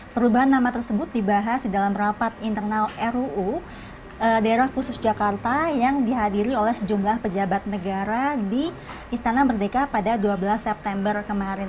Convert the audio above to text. perubahan nama tersebut dibahas di dalam rapat internal ruu daerah khusus jakarta yang dihadiri oleh sejumlah pejabat negara di istana merdeka pada dua belas september kemarin